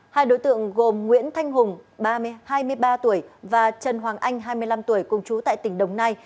hai đối tượng gồm nguyễn thanh hùng hai mươi ba tuổi và trần hoàng anh hai mươi năm tuổi cùng chú tại tỉnh đồng nai